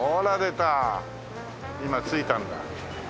今着いたんだ。